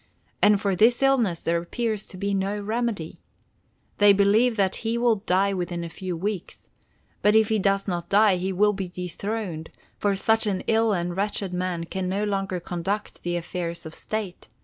And for this illness there appears to be no remedy. They believe that he will die within a few weeks. But if he does not die, he will be dethroned, for such an ill and wretched man can no longer conduct the affairs of State.